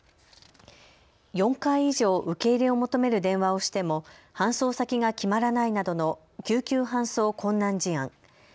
４回以上、受け入れを求める電話をしても搬送先が決まらないなどの救急搬送困難事案。